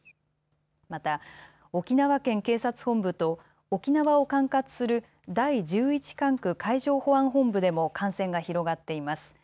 また、沖縄県警察本部と沖縄を管轄する第１１管区海上保安本部でも感染が広がっています。